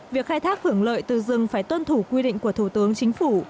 việc khai thác hưởng lợi từ rừng phải tuân thủ quy định của thủ tướng chính phủ